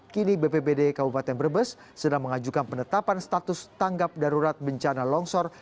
kini bpbd kabupaten brebes sedang mengajukan penetapan status tanggap darurat bencana longsor